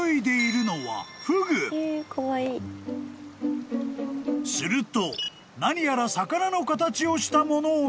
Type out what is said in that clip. ［すると何やら魚の形をしたものを見せる女性］